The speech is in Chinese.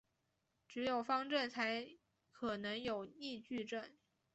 只有方阵才可能有逆矩阵。